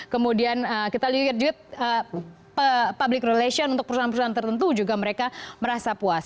kemudian kita lihat juga public relation untuk perusahaan perusahaan tertentu juga mereka merasa puas